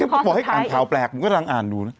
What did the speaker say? บอกให้อ่านข่าวแปลกผมกำลังอ่านดูนะ